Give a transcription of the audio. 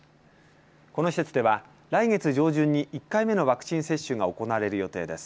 この施設では来月上旬に１回目のワクチン接種が行われる予定です。